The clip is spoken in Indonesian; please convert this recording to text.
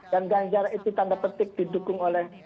dan ganjar itu tanda petik didukung oleh